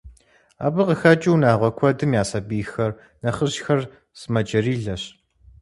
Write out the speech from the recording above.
Абы къыхэкӏыу унагъуэ куэдым я сабийхэр, нэхъыжьхэр сымаджэрилэщ.